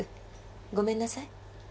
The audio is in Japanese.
ごめんなさい。